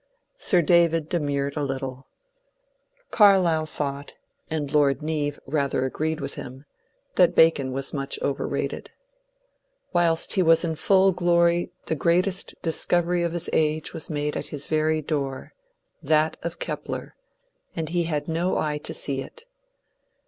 Sir David demurred a little. Carlyle thought (and Lord Neave rather 106 MONCURE DANIEL CX)NWAY agreed with him) that Bacon was much overrated. ^* Whilst he was iu full glory the greatest discovery of his age was made at his very door, — that of Kepler, — and he had no eye to see it."